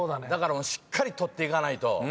しっかり取っていかないと。